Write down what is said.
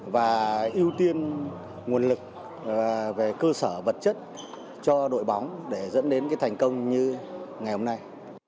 và ưu tiên nguồn lực về cơ sở vật chất cho đội bóng để dẫn đến thành công như ngày hôm nay